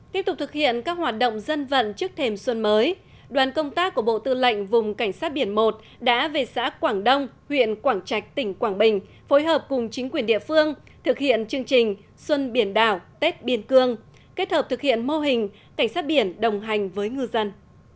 tiếp tục thực hiện các hoạt động dân vận trước thềm xuân mới đoàn công tác của bộ tư lệnh vùng cảnh sát biển một đã về xã quảng đông huyện quảng trạch tỉnh quảng bình phối hợp cùng chính quyền địa phương thực hiện chương trình xuân biển đảo tết biên cương kết hợp thực hiện mô hình cảnh sát biển đồng hành với ngư dân